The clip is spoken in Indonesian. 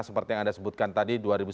seperti yang anda sebutkan tadi